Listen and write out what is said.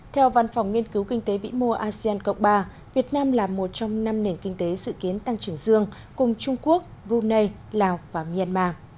theo văn phòng nghiên cứu kinh tế vĩ mô asean cộng ba việt nam là một trong năm nền kinh tế dự kiến tăng trưởng dương cùng trung quốc brunei lào và myanmar